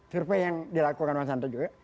survei yang dilakukan mas hanta juga